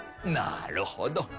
なるほど！